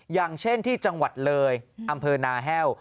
อย่างเช่นที่จังหวัดเลยอำเภอนาแห้ว